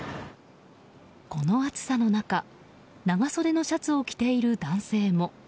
この暑さの中、長袖のシャツを着ている男性も。